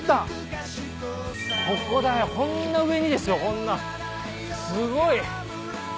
ここだよこんな上にですよこんなすごい！